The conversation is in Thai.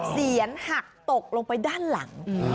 เสียนหักตกลงไปด้านหลัง